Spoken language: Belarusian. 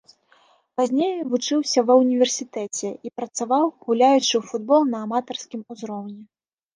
Пазней вучыўся ва ўніверсітэце і працаваў, гуляючы ў футбол на аматарскім узроўні.